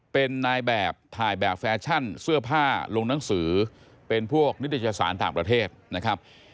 เป็นนายแบบถ่ายแบบแฟชั่นเสื้อผ้าลงหนังสือเป็นพวกนิตยสารต่างประเทศนะครับ